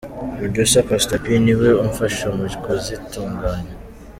Producer Pastor P ni we umfasha mu kuzitunganya.